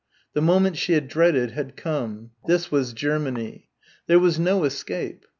The moment she had dreaded had come. This was Germany. There was no escape.